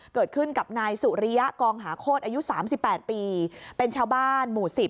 เกิดขึ้นกับนายสุริยะกองหาโคตรอายุ๓๘ปีเป็นชาวบ้านหมู่๑๐